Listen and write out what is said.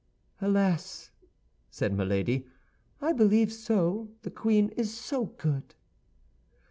"Alas!" said Milady, "I believe so; the queen is so good!"